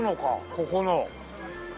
ここの。